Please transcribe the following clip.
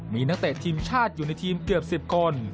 มีนักเตะทีมชาติอยู่ในทีมเกือบ๑๐คน